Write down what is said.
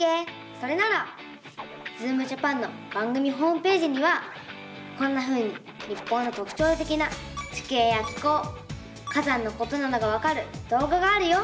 それなら「ズームジャパン」の番組ホームページにはこんなふうに日本のとくちょうてきな地形や気候火山のことなどがわかるどうががあるよ！